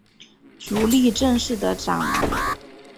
足利政氏的长男。